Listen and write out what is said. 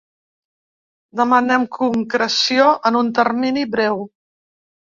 Demanem concreció en un termini breu.